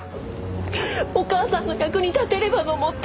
お母さんの役に立てればと思って。